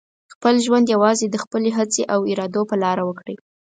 خپل ژوند یوازې د خپلې هڅې او ارادو په لاره وکړئ.